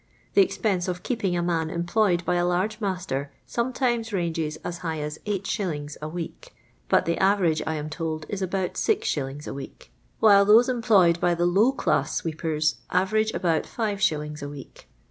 The expense of keeping a man employed by a large master sometimes ranges as high as 8*. a week, but the average, I am told, is about 6*. per week ; while those employed by the low class sweepers average about 5*. a week.